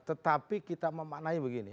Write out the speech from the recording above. tetapi kita memaknai begini